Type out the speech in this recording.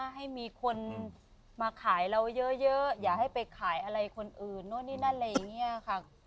ให้มีคนมาขายเราเยอะอย่าให้ไปขายอะไรคนอื่นนู่นนี่นั่นอะไรอย่างนี้ค่ะ